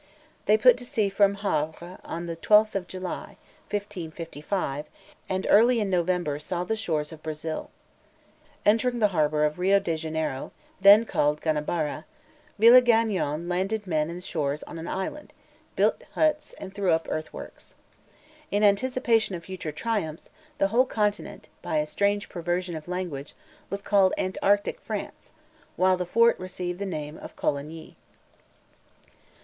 They put to sea from Havre on the twelfth of July, 1555, and early in November saw the shores of Brazil. Entering the harbor of Rio Janeiro, then called Ganabara, Villegagnon landed men and stores on an island, built huts, and threw up earthworks. In anticipation of future triumphs, the whole continent, by a strange perversion of language, was called Antarctic France, while the fort received the name of Coligny.